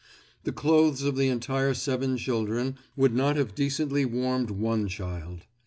The clothes of the entire seven children would not have decently warmed one child.